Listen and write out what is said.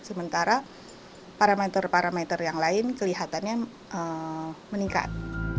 sementara parameter parameter yang lain kelihatannya meningkat